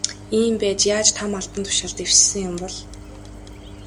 Ийм байж яаж том албан тушаалд дэвшсэн юм бол.